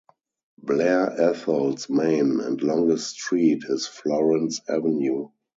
Blair Athol's main and longest street is Florence Avenue.